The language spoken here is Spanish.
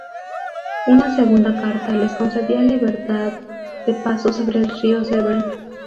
Una segunda carta les concedía libertad de paso sobre el río Severn.